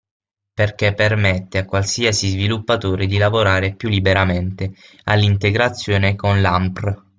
Perché permette a qualsiasi sviluppatore di lavorare più liberamente all'integrazione con ANPR.